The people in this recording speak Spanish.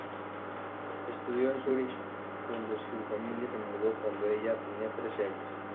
Estudió en Zurich, donde su familia se mudó cuando ella tenía trece años.